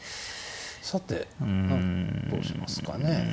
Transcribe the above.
さてどうしますかね？